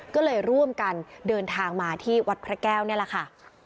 ก็เลยร่วมกันเดินทางมาที่วัดพระแก้วนี่แหละค่ะ